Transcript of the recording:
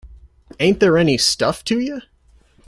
Ain't there any stuff to you?